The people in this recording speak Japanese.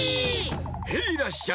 ヘイらっしゃい！